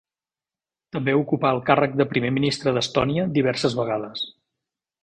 També ocupà el càrrec de Primer Ministre d'Estònia diverses vegades.